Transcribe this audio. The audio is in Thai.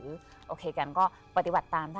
ก็ก็การปฏิบัติตาม